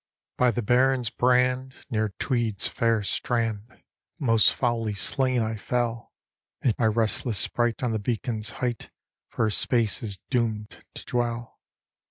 " By the Baron's brand, near Tweed's fair strand. Most foully slain I fell; And my restless sprite on the beacon's height. For a space is doom'd to dwell.